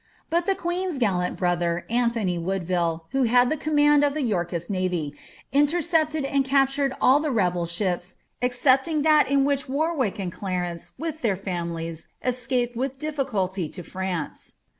But the queen's gallant brother, Anthony Woodville, who had the command of the Yorkist navy, intercepted and captured all the rebel ships,' excepting that in which Warwick and Clarence, with their families, escaped with difficulty to France.